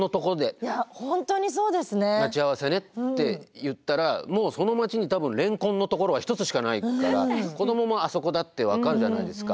待ち合わせねって言ったらもうその町に多分レンコンのところは１つしかないから子どももあそこだって分かるじゃないですか。